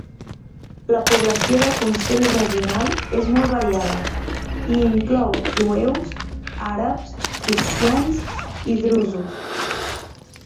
La població del consell regional és molt variada, i inclou jueus, àrabs, cristians i drusos.